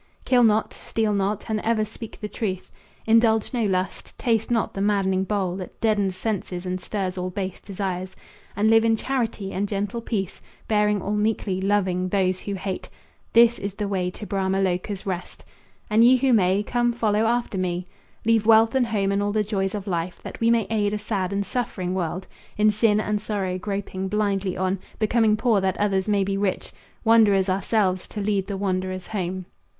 Kill not, steal not, and ever speak the truth. Indulge no lust; taste not the maddening bowl That deadens sense and stirs all base desires; And live in charity and gentle peace, Bearing all meekly, loving those who hate. This is the way to Brahma Loca's rest. And ye who may, come, follow after me. Leave wealth and home and all the joys of life, That we may aid a sad and suffering world In sin and sorrow groping blindly on, Becoming poor that others may be rich, Wanderers ourselves to lead the wanderers home.